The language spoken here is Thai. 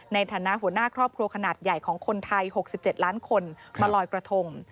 ในฐานะหัวหน้าครอบครัวขนาดใหญ่ของคนไทย๖๗ล้านคนมาลอยกระทง